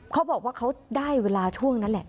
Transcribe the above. เขาบอกว่าเขาได้เวลาช่วงนั้นแหละ